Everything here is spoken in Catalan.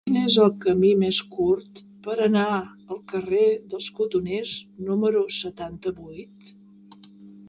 Quin és el camí més curt per anar al carrer dels Cotoners número setanta-vuit?